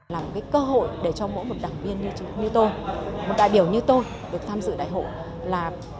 làm cái cơ hội để cho mỗi một đảng viên như tôi một đại biểu như tôi được tham dự đại hội